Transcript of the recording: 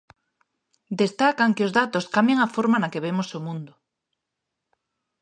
Destacan que os datos cambian a forma na que vemos o mundo.